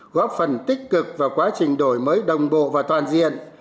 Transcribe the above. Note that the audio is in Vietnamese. góp phần tích cực vào quá trình đổi mới đồng bộ và toàn diện